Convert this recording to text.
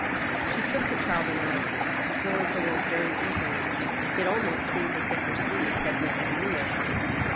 She took the child in her arms. Florence awoke very easily. It almost seemed as if her sleep had been unreal.